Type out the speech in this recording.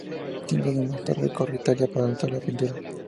Cinco años más tarde recorre Italia para optar por la pintura.